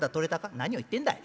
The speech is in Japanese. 「何を言ってんだい。